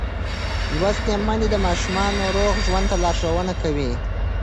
لوستې میندې د ماشومانو روغ ژوند ته لارښوونه کوي.